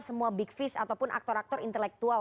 semua big fish ataupun aktor aktor intelektual